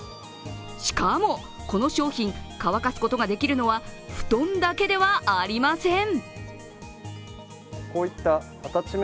しかもこの商品、乾かすことができるのは布団だけではありません。